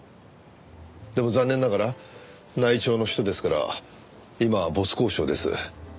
でも残念ながら内調の人ですから今は没交渉です。